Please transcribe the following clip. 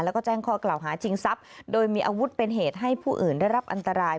แล้วก็แจ้งข้อกล่าวหาชิงทรัพย์โดยมีอาวุธเป็นเหตุให้ผู้อื่นได้รับอันตราย